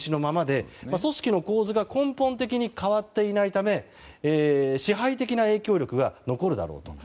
組織の構図が根本的に変わっていないため支配的な影響力が残るだろうと。